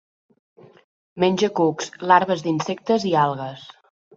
Menja cucs, larves d'insectes i algues.